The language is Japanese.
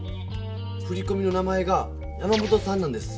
ふりこみの名前が山本さんなんです。